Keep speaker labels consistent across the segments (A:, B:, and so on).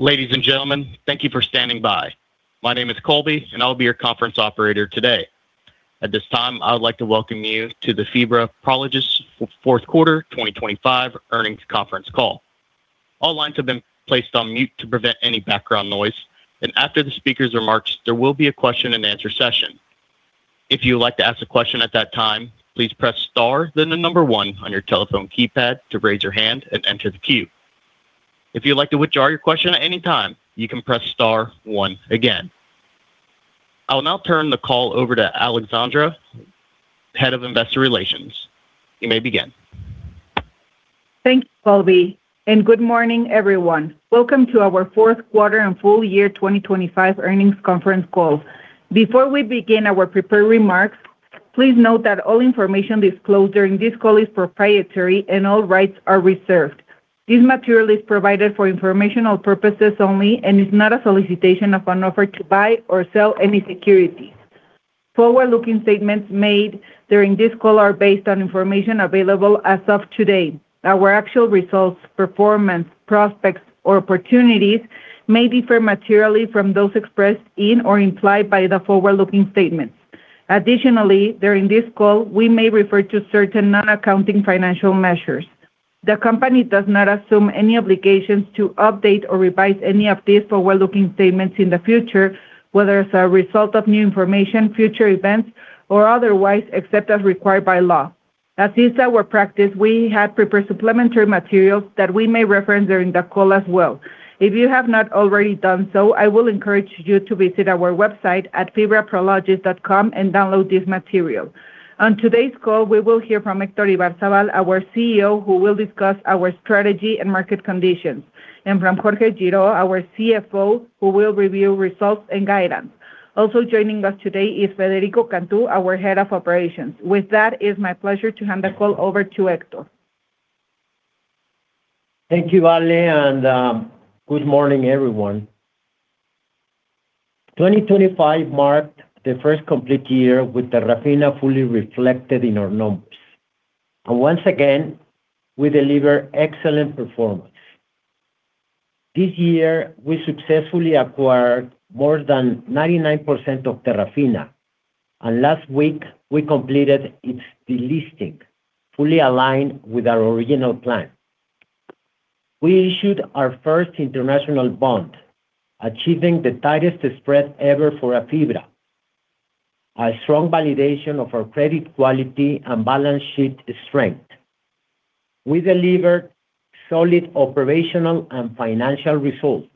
A: Ladies and gentlemen, thank you for standing by. My name is Colby, and I'll be your conference operator today. At this time, I would like to welcome you to the FIBRA Prologis Fourth Quarter 2025 Earnings Conference Call. All lines have been placed on mute to prevent any background noise, and after the speaker's remarks, there will be a question-and-answer session. If you would like to ask a question at that time, please press star, then the number one on your telephone keypad to raise your hand and enter the queue. If you'd like to withdraw your question at any time, you can press star one again. I will now turn the call over to Alexandra, Head of Investor Relations. You may begin.
B: Thank you, Colby. Good morning, everyone. Welcome to our fourth quarter and full year 2025 earnings conference call. Before we begin our prepared remarks, please note that all information disclosed during this call is proprietary, and all rights are reserved. This material is provided for informational purposes only and is not a solicitation of an offer to buy or sell any securities. Forward-looking statements made during this call are based on information available as of today. Our actual results, performance, prospects, or opportunities may differ materially from those expressed in or implied by the forward-looking statements. During this call, we may refer to certain non-accounting financial measures. The company does not assume any obligations to update or revise any of these forward-looking statements in the future, whether as a result of new information, future events, or otherwise, except as required by law. As is our practice, we have prepared supplementary materials that we may reference during the call as well. If you have not already done so, I will encourage you to visit our website at fibraprologis.com and download this material. On today's call, we will hear from Héctor Ibarzábal, our CEO, who will discuss our strategy and market conditions, and from Jorge Girault, our CFO, who will review results and guidance. Also joining us today is Federico Cantú, our Head of Operations. With that, it's my pleasure to hand the call over to Héctor.
C: Thank you, Ale, and good morning, everyone. 2025 marked the first complete year with Terrafina fully reflected in our numbers. Once again, we deliver excellent performance. This year, we successfully acquired more than 99% of Terrafina, and last week we completed its delisting, fully aligned with our original plan. We issued our first international bond, achieving the tightest spread ever for a FIBRA, a strong validation of our credit quality and balance sheet strength. We delivered solid operational and financial results,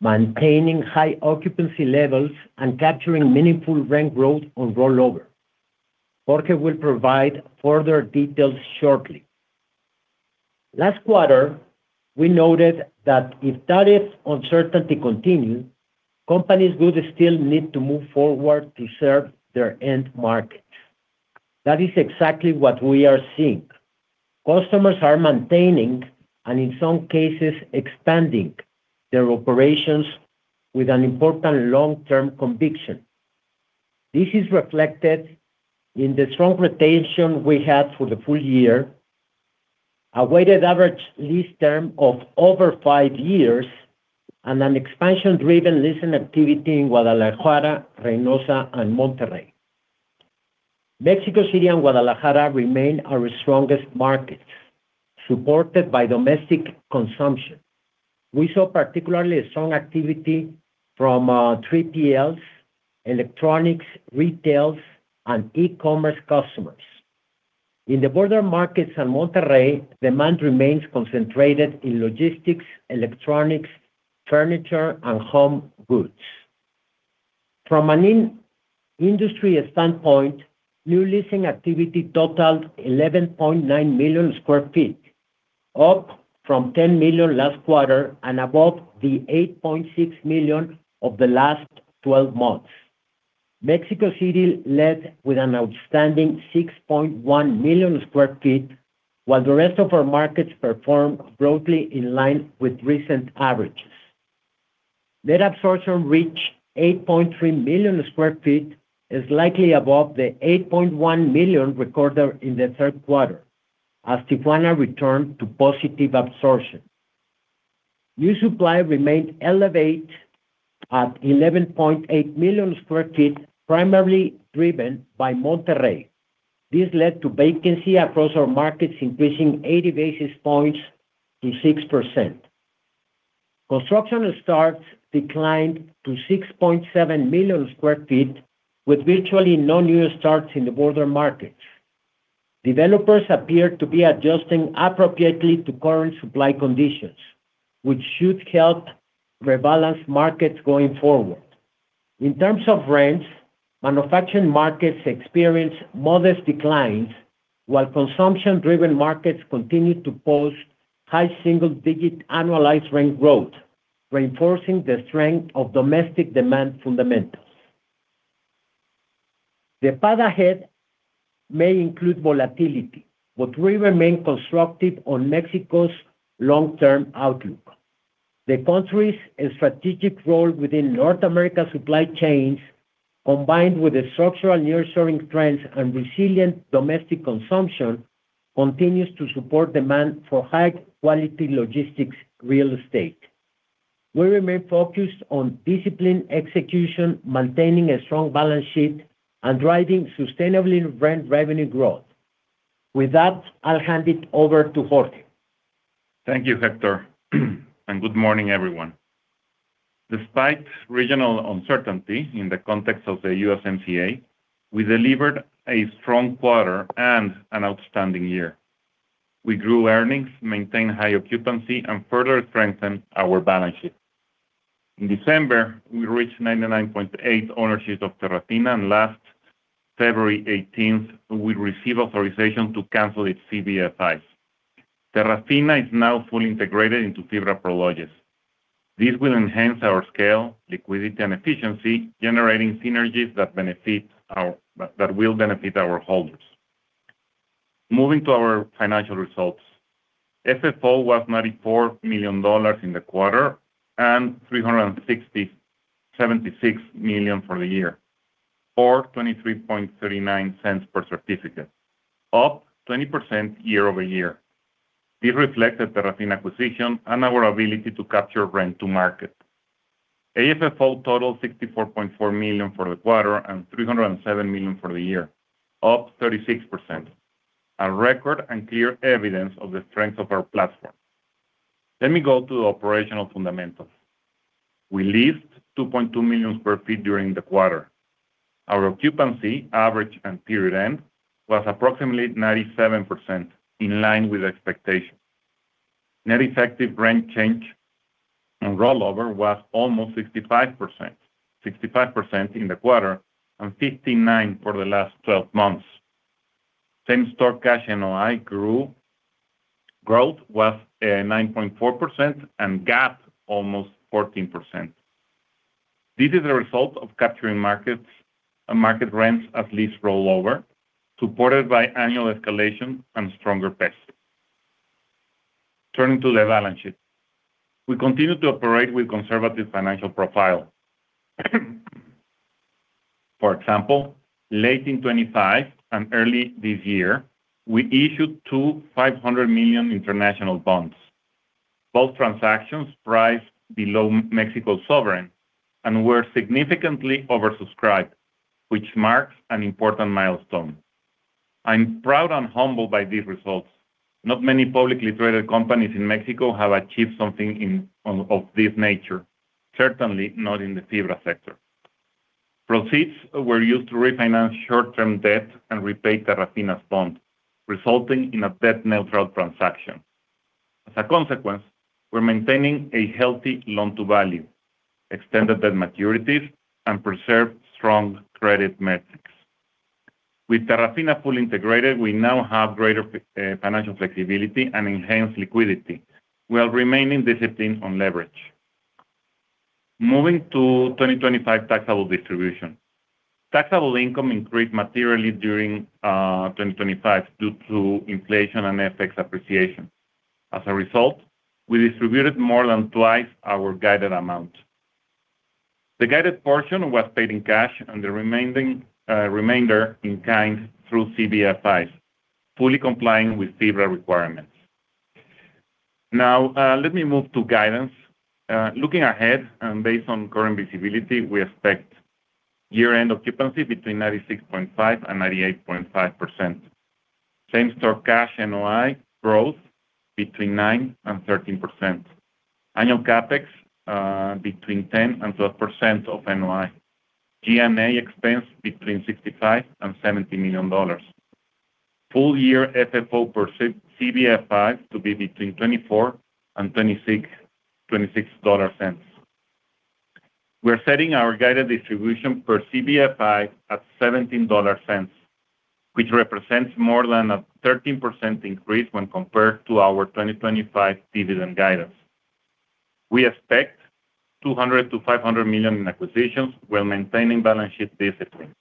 C: maintaining high occupancy levels and capturing meaningful rent growth on rollover. Jorge will provide further details shortly. Last quarter, we noted that if tariff uncertainty continued, companies would still need to move forward to serve their end market. That is exactly what we are seeing. Customers are maintaining, and in some cases, expanding their operations with an important long-term conviction. This is reflected in the strong retention we had for the full year, a weighted average lease term of over five years, and an expansion-driven leasing activity in Guadalajara, Reynosa, and Monterrey. Mexico City and Guadalajara remain our strongest markets, supported by domestic consumption. We saw particularly strong activity from 3PLs, electronics, retails, and e-commerce customers. In the border markets and Monterrey, demand remains concentrated in logistics, electronics, furniture, and home goods. From an industry standpoint, new leasing activity totaled 11.9 millionsq ft, up from 10 millionsq ft last quarter and above the 8.6 millionsq ft of the last 12 months. Mexico City led with an outstanding 6.1 millionsq ft, while the rest of our markets performed broadly in line with recent averages. Net absorption reached 8.3 millionsq ft, is likely above the 8.1 millionsq ft recorded in the third quarter, as Tijuana returned to positive absorption. New supply remained elevated at 11.8 millionsq ft, primarily driven by Monterrey. This led to vacancy across our markets, increasing 80 basis points to 6%. Construction starts declined to 6.7 millionsq ft, with virtually no new starts in the border markets. Developers appear to be adjusting appropriately to current supply conditions, which should help rebalance markets going forward. In terms of rents, manufacturing markets experienced modest declines while consumption-driven markets continued to post high single-digit annualized rent growth, reinforcing the strength of domestic demand fundamentals. The path ahead may include volatility, but we remain constructive on Mexico's long-term outlook. The country's strategic role within North America's supply chains, combined with the structural nearshoring trends and resilient domestic consumption continues to support demand for high-quality logistics real estate. We remain focused on disciplined execution, maintaining a strong balance sheet, and driving sustainable rent revenue growth. With that, I'll hand it over to Jorge.
D: Thank you, Héctor. Good morning, everyone. Despite regional uncertainty in the context of the USMCA, we delivered a strong quarter and an outstanding year. We grew earnings, maintained high occupancy, and further strengthened our balance sheet. In December, we reached 99.8 ownership of Terrafina. Last February 18th, we received authorization to cancel its CBFIs. Terrafina is now fully integrated into FIBRA Prologis. This will enhance our scale, liquidity, and efficiency, generating synergies that will benefit our holders. Moving to our financial results. FFO was $94 million in the quarter. $376 million for the year, or $0.2339 per certificate, up 20% year-over-year. This reflects the Terrafina acquisition and our ability to capture rent to market. AFFO totaled $64.4 million for the quarter and $307 million for the year, up 36%, a record and clear evidence of the strength of our platform. Let me go to the operational fundamentals. We leased 2.2 millionsq ft during the quarter. Our occupancy, average and period end, was approximately 97%, in line with expectations. Net effective rent change and rollover was almost 65%. 65% in the quarter and 59 for the last 12 months. Same-store cash NOI grew. Growth was 9.4% and GAAP almost 14%. This is a result of capturing markets and market rents at lease rollover, supported by annual escalation and stronger leases. Turning to the balance sheet. We continue to operate with conservative financial profile. For example, late in 25 and early this year, we issued two $500 million international bonds. Both transactions priced below Mexico's sovereign and were significantly oversubscribed, which marks an important milestone. I'm proud and humbled by these results. Not many publicly traded companies in Mexico have achieved something of this nature, certainly not in the FIBRA sector. Proceeds were used to refinance short-term debt and repay Terrafina's bond, resulting in a debt-neutral transaction. We're maintaining a healthy loan-to-value, extended debt maturities, and preserved strong credit metrics. With Terrafina fully integrated, we now have greater financial flexibility and enhanced liquidity, while remaining disciplined on leverage. Moving to 2025 taxable distribution. Taxable income increased materially during 2025 due to inflation and FX appreciation. We distributed more than twice our guided amount. The guided portion was paid in cash and the remaining, remainder in kind through CBFIs, fully complying with FIBRA requirements. Let me move to guidance. Looking ahead and based on current visibility, we expect year-end occupancy between 96.5% and 98.5%. Same-store cash NOI growth between 9% and 13%. Annual CapEx between 10% and 12% of NOI. G&A expense between $65 million-$70 million. Full-year FFO per CBFIs to be between $0.24 and $0.26. We're setting our guided distribution per CBFI at $0.17, which represents more than a 13% increase when compared to our 2025 dividend guidance. We expect $200 million-$500 million in acquisitions while maintaining balance sheet discipline.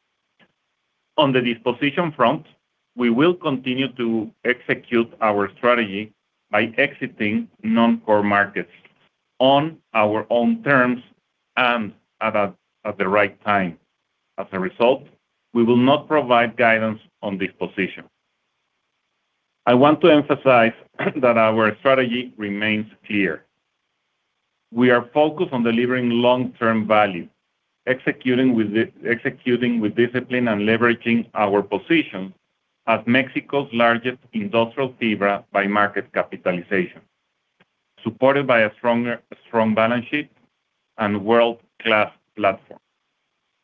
D: On the disposition front, we will continue to execute our strategy by exiting non-core markets on our own terms and at the right time. As a result, we will not provide guidance on disposition. I want to emphasize that our strategy remains clear. We are focused on delivering long-term value, executing with discipline and leveraging our position as Mexico's largest industrial FIBRA by market capitalization, supported by a strong balance sheet and world-class platform.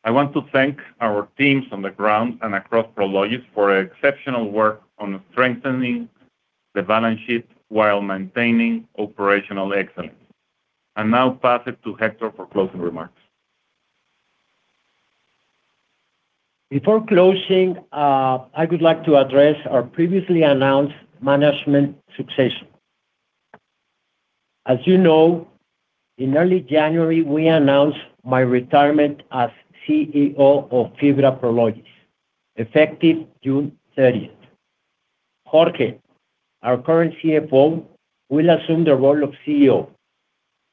D: I want to thank our teams on the ground and across Prologis for their exceptional work on strengthening the balance sheet while maintaining operational excellence. I now pass it to Héctor for closing remarks.
C: Before closing, I would like to address our previously announced management succession. As you know, in early January, we announced my retirement as CEO of FIBRA Prologis, effective June 30th. Jorge, our current CFO, will assume the role of CEO.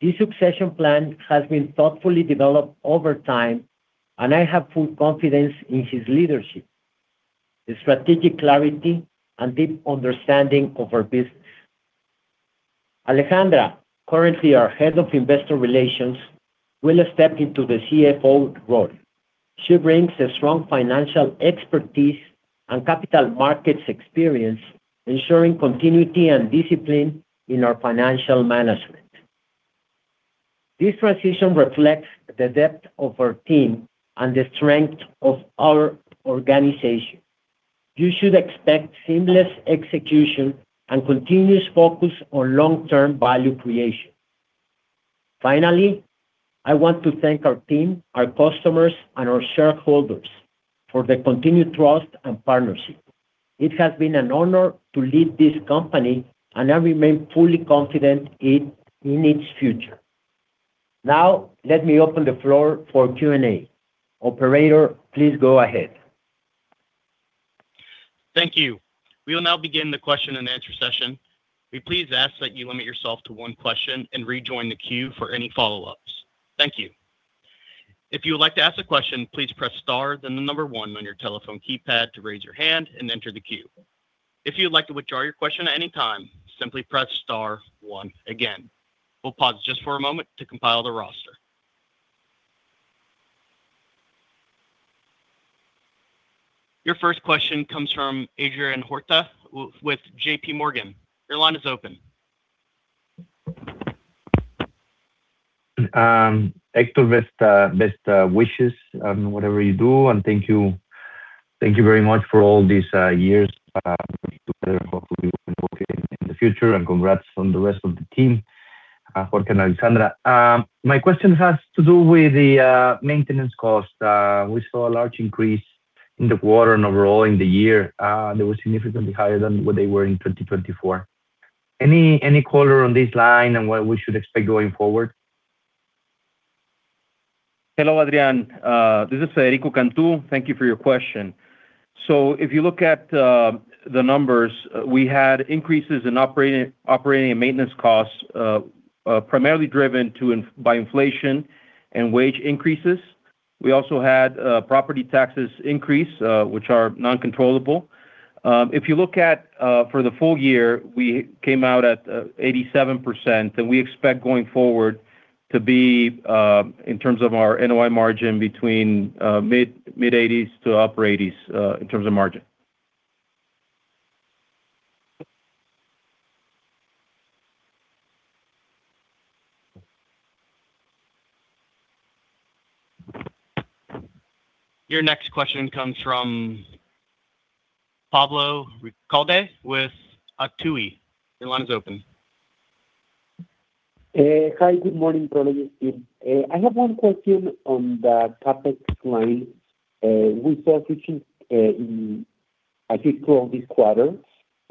C: This succession plan has been thoughtfully developed over time, and I have full confidence in his leadership, his strategic clarity, and deep understanding of our business. Alejandra, currently our Head of Investor Relations, will step into the CFO role. She brings a strong financial expertise and capital markets experience, ensuring continuity and discipline in our financial management. This transition reflects the depth of our team and the strength of our organization. You should expect seamless execution and continuous focus on long-term value creation. Finally, I want to thank our team, our customers, and our shareholders for the continued trust and partnership. It has been an honor to lead this company. I remain fully confident in its future. Now, let me open the floor for Q&A. Operator, please go ahead.
A: Thank you. We will now begin the question-and-answer session. We please ask that you limit yourself to one question and rejoin the queue for any follow-ups. Thank you. If you would like to ask a question, please press star, then the number one on your telephone keypad to raise your hand and enter the queue. If you'd like to withdraw your question at any time, simply press star one again. We'll pause just for a moment to compile the roster. Your first question comes from Adrian Huerta with JPMorgan. Your line is open.
E: Héctor, best wishes on whatever you do, thank you very much for all these years. Hopefully, we can work in the future, congrats on the rest of the team, Jorge and Alexandra. My question has to do with the maintenance cost. We saw a large increase in the quarter and overall in the year. They were significantly higher than what they were in 2024. Any color on this line and what we should expect going forward?
F: Hello, Adrian. This is Federico Cantú. Thank you for your question. If you look at the numbers, we had increases in operating and maintenance costs, primarily driven by inflation and wage increases. We also had property taxes increase, which are non-controllable. If you look at for the full year, we came out at 87%, and we expect going forward to be in terms of our NOI margin, between mid-80s to upper 80s in terms of margin.
A: Your next question comes from Pablo Ricalde with Itaú. Your line is open.
G: Hi, good morning, colleagues. I have one question on the CapEx line. We saw a decrease, in, I think, through this quarter.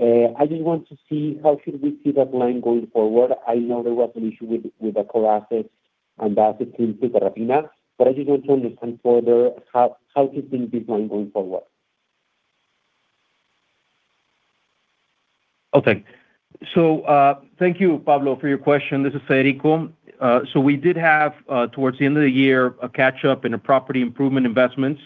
G: I just want to see, how should we see that line going forward? I know there was an issue with the core assets, and that it seems to be enough, but I just want to understand further how you think this line going forward.
F: Okay. Thank you, Pablo, for your question. This is Federico. We did have towards the end of the year, a catch-up in the property improvement investments,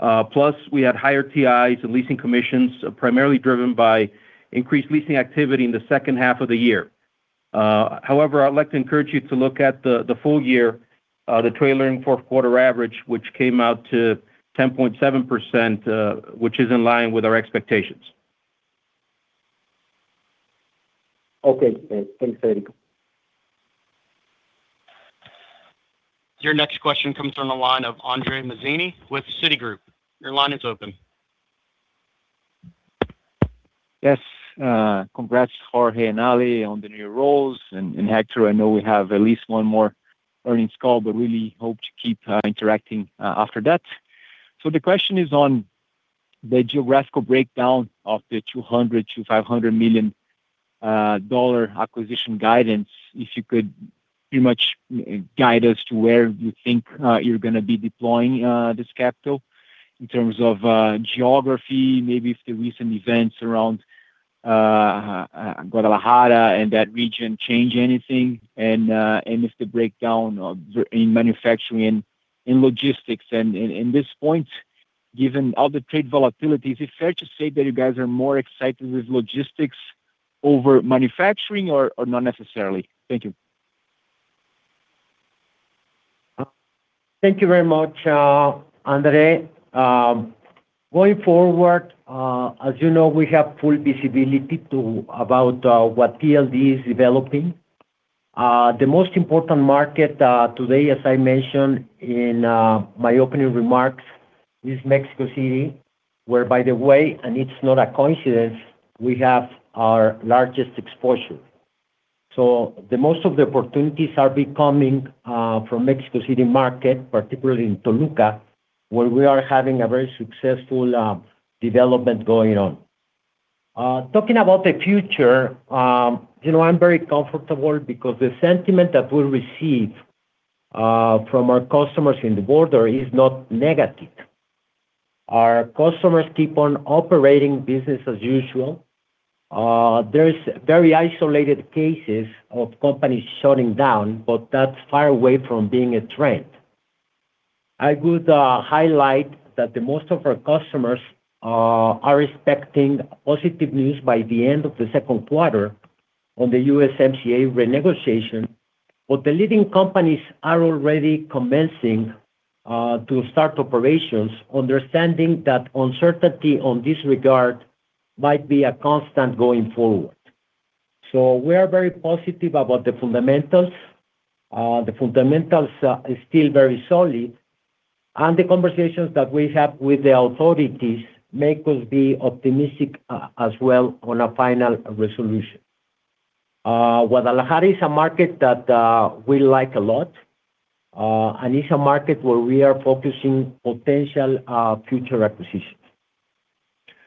F: plus we had higher TIs and leasing commissions, primarily driven by increased leasing activity in the second half of the year. However, I'd like to encourage you to look at the full year, the trailer in fourth quarter average, which came out to 10.7%, which is in line with our expectations.
G: Okay. thanks, Freddie.
A: Your next question comes from the line of André Mazini with Citigroup. Your line is open.
H: Yes, congrats, Jorge and Ale, on the new roles. Hector, I know we have at least one more earnings call, but really hope to keep interacting after that. The question is on the geographical breakdown of the $200 million-$500 million acquisition guidance. If you could pretty much guide us to where you think you're gonna be deploying this capital in terms of geography, maybe if the recent events around Guadalajara and that region change anything, and if the breakdown in manufacturing and in logistics. In this point, given all the trade volatility, is it fair to say that you guys are more excited with logistics over manufacturing or not necessarily? Thank you.
C: Thank you very much, André. Going forward, as you know, we have full visibility to, about, what TLD is developing. The most important market today, as I mentioned in my opening remarks, is Mexico City, where, by the way, and it's not a coincidence, we have our largest exposure. The most of the opportunities are be coming from Mexico City market, particularly in Toluca, where we are having a very successful development going on. Talking about the future, you know, I'm very comfortable because the sentiment that we receive from our customers in the border is not negative. Our customers keep on operating business as usual. There is very isolated cases of companies shutting down, but that's far away from being a trend. I would highlight that the most of our customers are expecting positive news by the end of the second quarter on the USMCA renegotiation. The leading companies are already commencing to start operations, understanding that uncertainty on this regard might be a constant going forward. We are very positive about the fundamentals. The fundamentals are still very solid, and the conversations that we have with the authorities make us be optimistic as well on a final resolution. Guadalajara is a market that we like a lot. It's a market where we are focusing potential future acquisitions.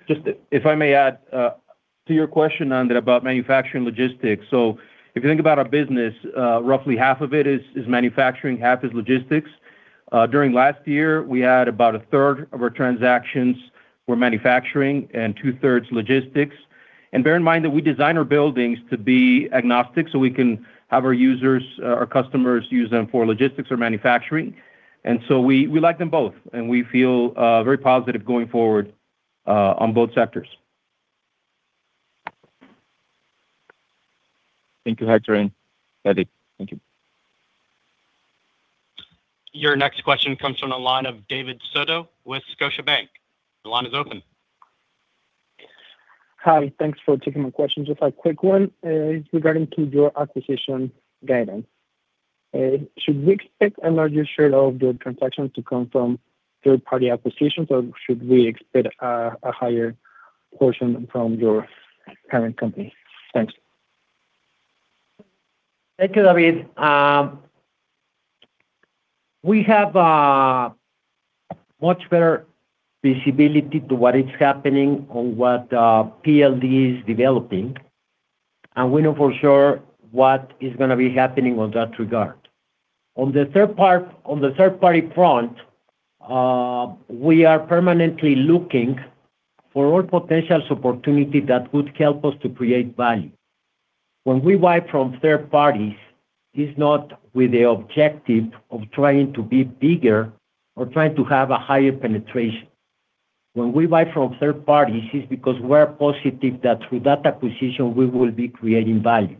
F: Just if I may add, to your question, André, about manufacturing logistics. If you think about our business, roughly half of it is manufacturing, half is logistics. During last year, we had about a third of our transactions were manufacturing and two-thirds logistics. Bear in mind that we design our buildings to be agnostic, so we can have our users, our customers, use them for logistics or manufacturing. We, we like them both, and we feel very positive going forward, on both sectors.
H: Thank you, Héctor and Freddie. Thank you.
A: Your next question comes from the line of David Soto with Scotiabank. The line is open.
I: Hi, thanks for taking my question. Just a quick one, regarding to your acquisition guidance. Should we expect a larger share of the transactions to come from third-party acquisitions, or should we expect a higher portion from your current company? Thanks.
C: Thank you, David. We have a much better visibility to what is happening or what TLD is developing, and we know for sure what is gonna be happening on that regard. On the third-party front, we are permanently looking for all potentials opportunity that would help us to create value. When we buy from third parties, it's not with the objective of trying to be bigger or trying to have a higher penetration. When we buy from third parties, it's because we're positive that through that acquisition, we will be creating value.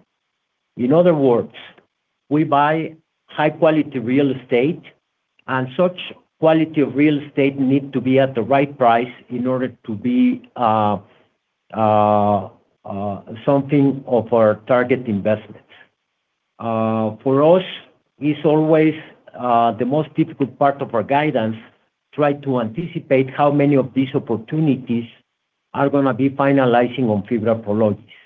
C: In other words, we buy high-quality real estate, and such quality of real estate need to be at the right price in order to be something of our target investments. For us, it's always the most difficult part of our guidance, try to anticipate how many of these opportunities are gonna be finalizing on FIBRA for logistics.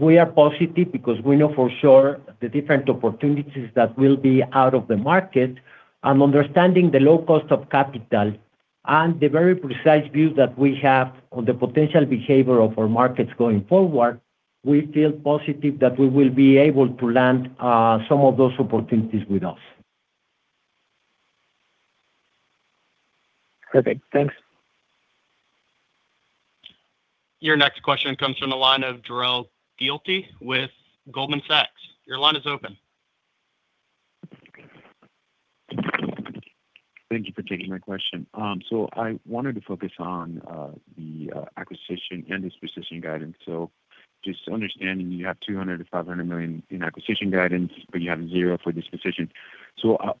C: We are positive because we know for sure the different opportunities that will be out of the market and understanding the low cost of capital and the very precise view that we have on the potential behavior of our markets going forward, we feel positive that we will be able to land some of those opportunities with us.
I: Perfect. Thanks.
A: Your next question comes from the line of Jorel Guilloty with Goldman Sachs. Your line is open.
J: Thank you for taking my question. I wanted to focus on the acquisition and disposition guidance. Just understanding you have $200 million-$500 million in acquisition guidance, but you have zero for disposition.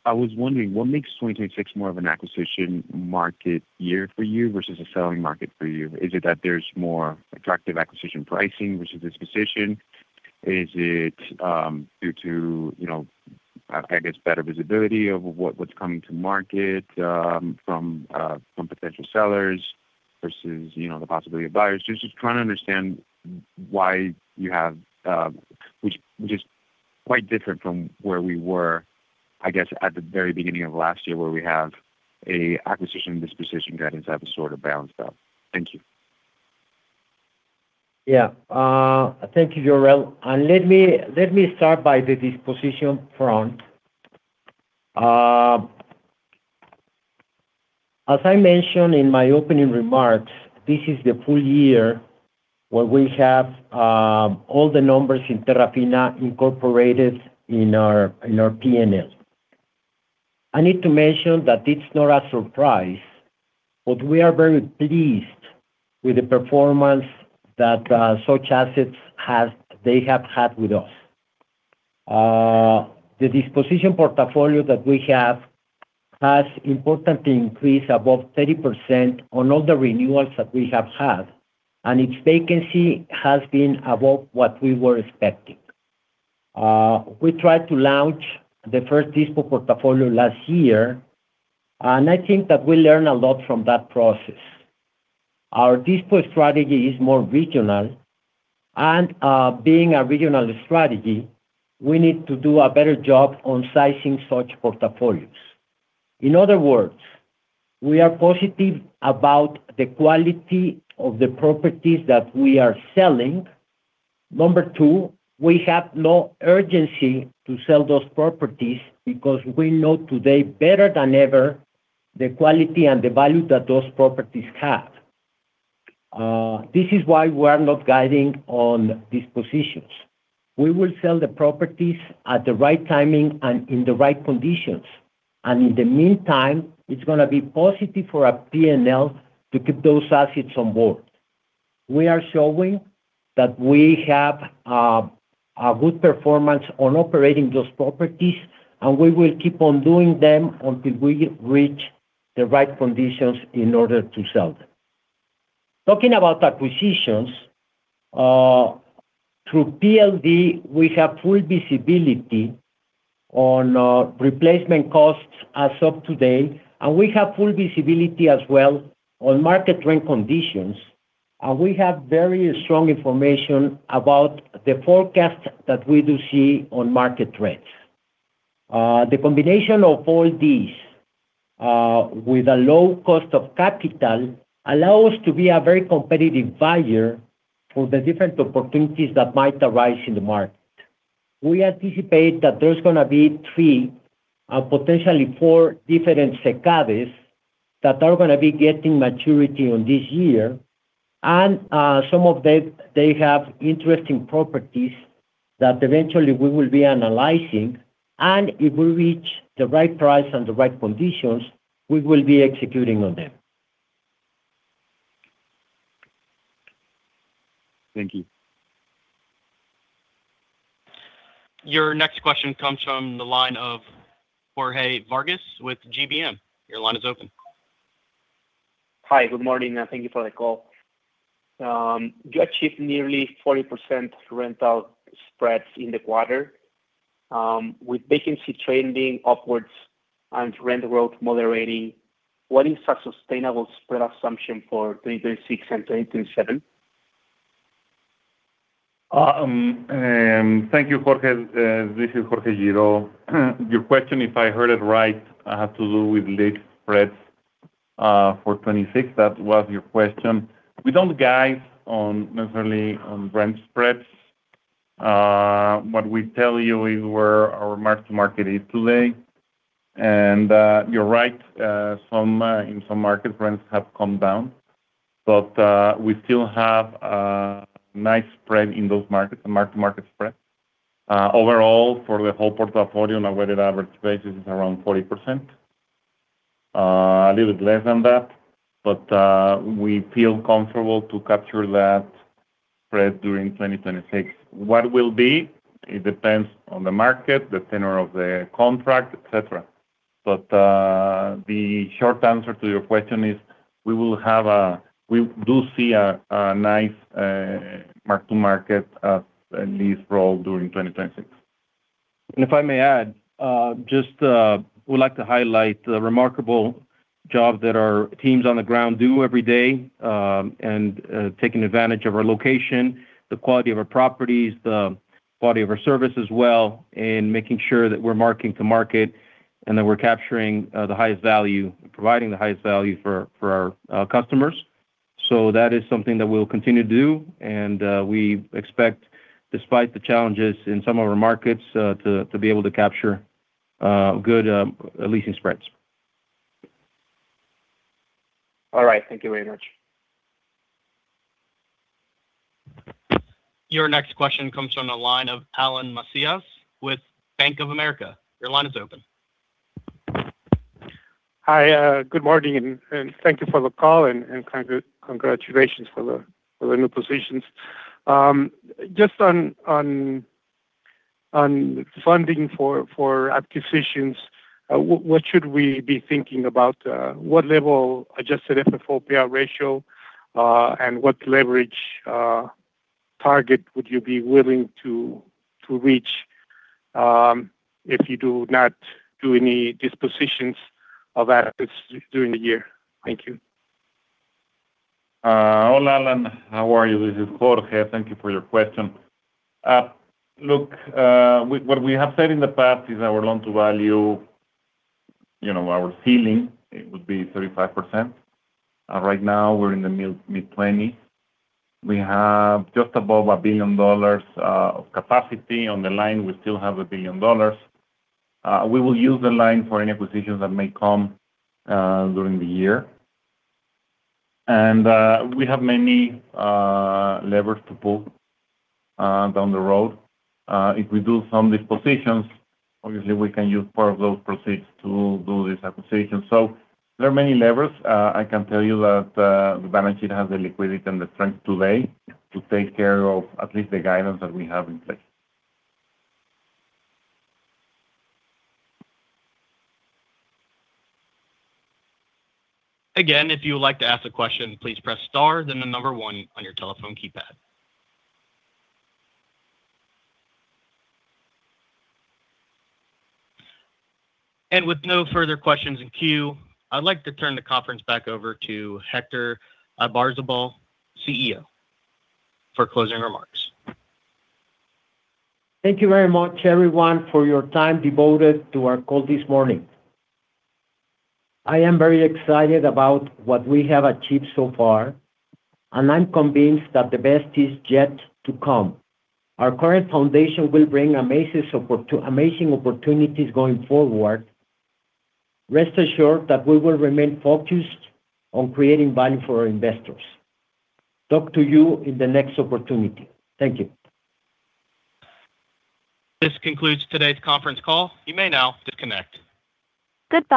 J: I was wondering, what makes 2026 more of an acquisition market year for you versus a selling market for you? Is it that there's more attractive acquisition pricing versus disposition? Is it due to, you know, I guess, better visibility of what's coming to market from potential sellers versus, you know, the possibility of buyers? Just trying to understand why you have, which is quite different from where we were, I guess, at the very beginning of last year, where we have an acquisition, disposition, guidance that is sort of balanced out. Thank you.
C: Yeah. Thank you, Jorel. Let me start by the disposition front. As I mentioned in my opening remarks, this is the full year where we have all the numbers in FIBRA Terrafina in our P&L. I need to mention that it's not a surprise, but we are very pleased with the performance that such assets has, they have had with us. The disposition portfolio that we have has importantly increased above 30% on all the renewals that we have had, and its vacancy has been above what we were expecting. We tried to launch the first dispo portfolio last year, and I think that we learn a lot from that process. Our dispo strategy is more regional, and, being a regional strategy, we need to do a better job on sizing such portfolios. In other words, we are positive about the quality of the properties that we are selling. Number two, we have no urgency to sell those properties because we know today better than ever the quality and the value that those properties have. This is why we are not guiding on dispositions. We will sell the properties at the right timing and in the right conditions, and in the meantime, it's gonna be positive for our P&L to keep those assets on board. We are showing that we have a good performance on operating those properties, and we will keep on doing them until we reach the right conditions in order to sell them. Talking about acquisitions, through TLD, we have full visibility on replacement costs as of today, and we have full visibility as well on market rent conditions. We have very strong information about the forecast that we do see on market rents. The combination of all these, with a low cost of capital, allow us to be a very competitive buyer for the different opportunities that might arise in the market. We anticipate that there's gonna be three, potentially four different SECAVs that are gonna be getting maturity on this year, and some of them, they have interesting properties that eventually we will be analyzing. If we reach the right price and the right conditions, we will be executing on them.
J: Thank you.
A: Your next question comes from the line of Jorge Vargas with GBM. Your line is open.
K: Hi, good morning, and thank you for the call. You achieved nearly 40% rental spreads in the quarter. With vacancy trending upwards and rent growth moderating, what is a sustainable spread assumption for 2026 and 2027?
D: Thank you, Jorge. This is Jorge Girault. Your question, if I heard it right, has to do with lease spreads for 2026. That was your question. We don't guide on, necessarily on rent spreads. What we tell you is where our mark-to-market is today. You're right, some in some markets, rents have come down, but we still have a nice spread in those markets, mark-to-market spread. Overall, for the whole portfolio, on a weighted average basis, is around 40%. A little bit less than that, but we feel comfortable to capture that spread during 2026. What will be, it depends on the market, the tenure of the contract, et cetera. The short answer to your question is, we do see a nice mark-to-market lease roll during 2026.
F: If I may add, just would like to highlight the remarkable job that our teams on the ground do every day, and taking advantage of our location, the quality of our properties, the quality of our service as well, in making sure that we're marketing to market, and that we're capturing the highest value, providing the highest value for our customers. That is something that we'll continue to do, and we expect, despite the challenges in some of our markets, to be able to capture good leasing spreads.
K: All right. Thank you very much.
A: Your next question comes from the line of Alan Macias with Bank of America. Your line is open.
L: Hi, good morning and thank you for the call and congratulations for the new positions. Just on funding for acquisitions, what should we be thinking about? What level adjusted FFO payout ratio and what leverage target would you be willing to reach if you do not do any dispositions of assets during the year? Thank you.
D: Hello, Alan, how are you? This is Jorge. Thank you for your question. Look, what we have said in the past is our loan-to-value, you know, our ceiling, it would be 35%. Right now, we're in the mid-20s. We have just above $1 billion of capacity on the line. We still have $1 billion. We will use the line for any acquisitions that may come during the year. We have many levers to pull down the road. If we do some dispositions, obviously we can use part of those proceeds to do these acquisitions. There are many levers. I can tell you that, the balance sheet has the liquidity and the strength today to take care of at least the guidance that we have in place.
A: Again, if you would like to ask a question, please press star then the one on your telephone keypad. With no further questions in queue, I'd like to turn the conference back over to Héctor Ibarzábal, CEO, for closing remarks.
C: Thank you very much, everyone, for your time devoted to our call this morning. I am very excited about what we have achieved so far, and I'm convinced that the best is yet to come. Our current foundation will bring amazing opportunities going forward. Rest assured that we will remain focused on creating value for our investors. Talk to you in the next opportunity. Thank you.
A: This concludes today's conference call. You may now disconnect.
D: Goodbye.